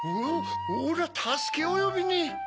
おらたすけをよびに。